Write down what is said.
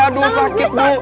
aduh sakit bu